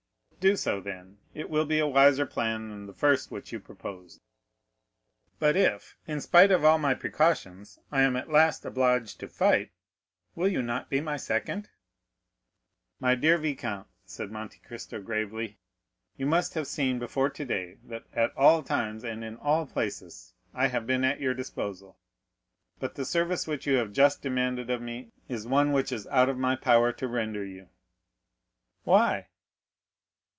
"Do so, then; it will be a wiser plan than the first which you proposed." "But if, in spite of all my precautions, I am at last obliged to fight, will you not be my second?" "My dear viscount," said Monte Cristo gravely, "you must have seen before today that at all times and in all places I have been at your disposal, but the service which you have just demanded of me is one which it is out of my power to render you." "Why?"